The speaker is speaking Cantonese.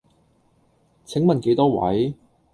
請問幾多位？